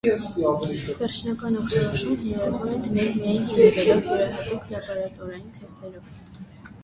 Վերջնական ախտորոշում հնարավոր է դնել միայն հիմնվելով յուրահատուկ լաբորատորային թեստերով։